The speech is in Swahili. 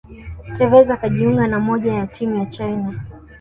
tevez akajiunga na moja ya timu ya China